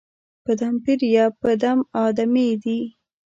په دم پېریه، په دم آدمې دي